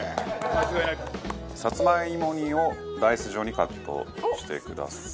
齊藤：さつまいも煮をダイス状にカットしてください。